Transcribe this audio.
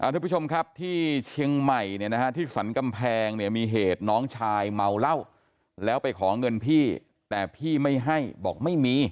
ทุกผู้ชมครับที่เชียงใหม่เนี่ยนะฮะที่สรรกำแพงเนี่ยมีเหตุน้องชายเมาเหล้าแล้วไปขอเงินพี่แต่พี่ไม่ให้บอกไม่มี